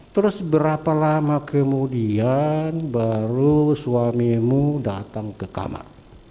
terus berapa lama kemudian baru suamimu datang ke kamar